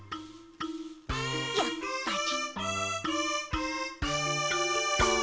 やっぱり。